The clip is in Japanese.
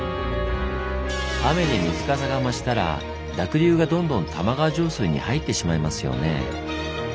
雨で水かさが増したら濁流がどんどん玉川上水に入ってしまいますよね。